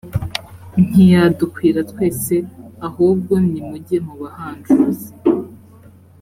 ntiyadukwira twese ahubwo nimujye mu bahanjuzi